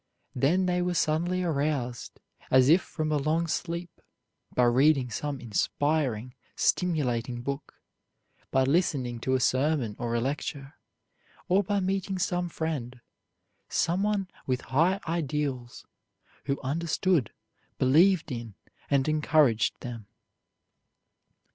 Then they were suddenly aroused, as if from a long sleep, by reading some inspiring, stimulating book, by listening to a sermon or a lecture, or by meeting some friend, someone with high ideals, who understood, believed in, and encouraged them.